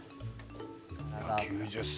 ９０歳。